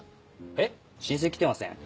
え⁉申請きてません？